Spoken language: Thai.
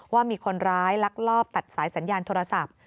ว่ามีคนร้ายลักลอบตัดสายสัญญาณโทรศัพท์